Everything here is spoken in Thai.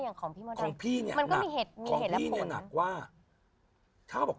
มันก็มีเหตุและผล